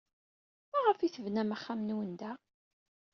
Maɣef ay tebnam axxam-nwen da?